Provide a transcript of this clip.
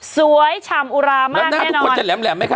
สวยฉ่ำอุรามากแน่นอนแล้วหน้าทุกคนจะแหลมแหลมไหมคะ